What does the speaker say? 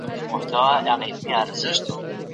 آیا ټولنپوهنه یوه پراخه علمي څانګه ده؟